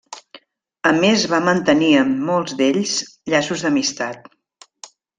A més va mantenir amb molts d'ells llaços d'amistat.